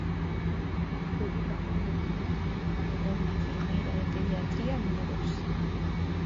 Preocupación veciñal ante a falta dunha enfermeira de pediatría en Muros.